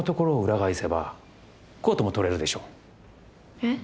えっ？